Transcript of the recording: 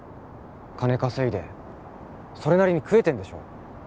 金稼いでそれなりに食えてんでしょ？